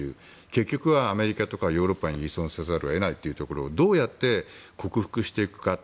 結局アメリカとかヨーロッパに依存せざるを得ないというところをどうやって克服していくか。